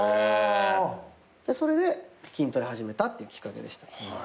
それで筋トレ始めたっていうきっかけでした。